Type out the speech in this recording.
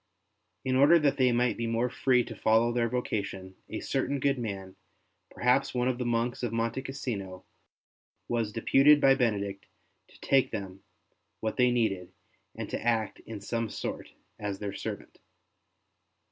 In order that they might be more free to follow their vocation, a certain good man, perhaps one of the monks of Monte Cassino, was deputed by St. Benedict to take them what they needed and to act in some sort as their servant.